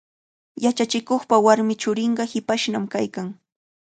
Yachachikuqpa warmi churinqa hipashnami kaykan.